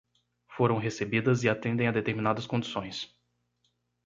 foram recebidas e atendem a determinadas condições.